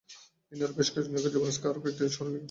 তিনি আরও বেশ কয়েকজন যুবরাজকে আরও কয়েকটি শহরে নিয়োগ দেন।